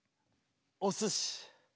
おすし。